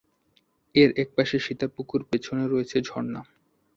এর একপাশে সীতার পুকুর, পেছনে রয়েছে ঝরনা।